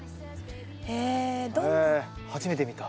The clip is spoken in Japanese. へえ初めて見た。